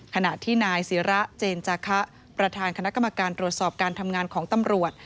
ขณะที่นายศิระเจนจาคะประธานคณะกรรมการตรวจสอบการทำงานของตำรวจ